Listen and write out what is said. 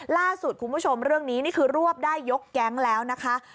ล่าสุดคุณผู้ชมเรื่องนี้นี่คือรวบได้ยกแก๊งแล้วนะคะ